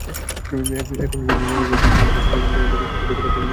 এখন সেইগুলিকে একটি বিরাট সঙ্ঘবদ্ধ জাতিতে গড়িয়া তোলাই এক প্রকৃত সমস্যা হইয়া দাঁড়াইয়াছিল।